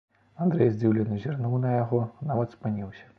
Андрэй здзіўлена зірнуў на яго, нават спыніўся.